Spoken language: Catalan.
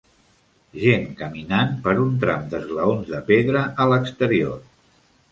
Gent caminant per un tram d'esglaons de pedra a l'exterior.